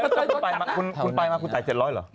เธอจับแล้วคุณไปมาคุณจ่าย๗๐๐บาทเหรอ